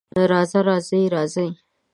راځه، راځې، راځئ